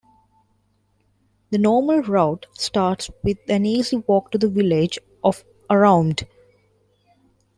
The normal route starts with an easy walk to the village of Aroumd.